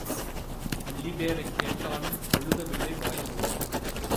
அல்லி பேரைக் கேட்டாலும் அழுத பிள்ளை வாய் மூடும்.